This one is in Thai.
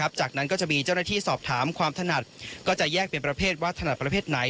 จากนั้นก็จะมีเจ้าหน้าที่สอบถามความถนัดก็จะแยกเป็นประเภทว่าถนัดประเภทไหน